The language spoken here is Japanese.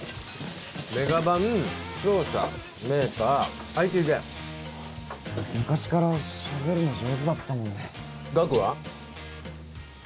メガバン商社メーカーＩＴ系昔からしゃべるの上手だったもんねガクは？